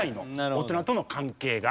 大人との関係が。